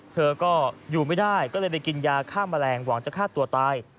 เธอก็อยู่ไม่ได้ก็เลยไปกินยาฆ่าแมลงหวังจะฆ่าตัวตาย